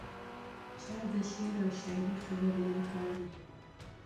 چا د شعر او شاعرۍ خبرې نه کولې.